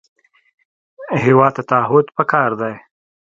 هېواد ته تعهد پکار دی